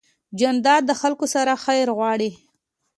جانداد د خلکو سره خیر غواړي.